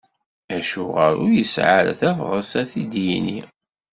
Acuɣer ur yesɛi ara tabɣest a t-id-yini?